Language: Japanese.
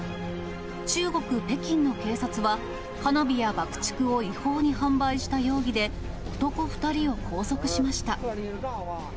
中国・北京の警察は、花火や爆竹を違法に販売した容疑で男２人を拘束しました。